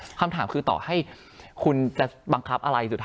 เพราะฉะนั้นทำไมถึงต้องทำภาพจำในโรงเรียนให้เหมือนกัน